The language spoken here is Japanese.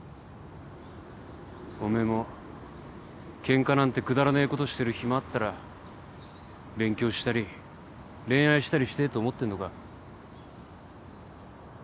おめえもケンカなんてくだらねえことしてる暇あったら勉強したり恋愛したりしてえと思ってんのかよ。